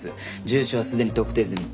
住所はすでに特定済み。